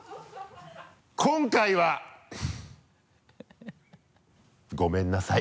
今回は。ごめんなさい。